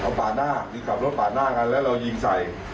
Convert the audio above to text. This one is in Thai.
เอาปาดหน้าหรือขับรถปาดหน้ากันแล้วเรายิงใส่